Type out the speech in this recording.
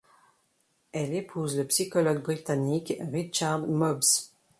Elle épouse le psychologue britannique Richard Mobbs.